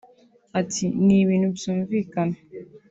Ati “Ni ibintu byumvikana